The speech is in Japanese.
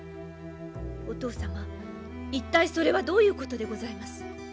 お父様一体それはどういうことでございます？